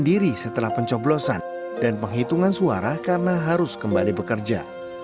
dikatungan suara karena harus kembali bekerja